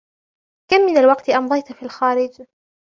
كم من الوقت أمضيت في الخارج ؟